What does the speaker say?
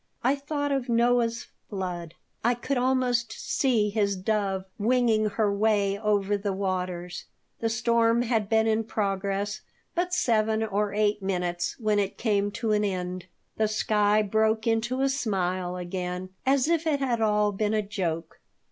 I thought of Noah's flood. I could almost see his dove winging her way over the waters. The storm had been in progress but seven or eight minutes when it came to an end. The sky broke into a smile again, as if it had all been a joke.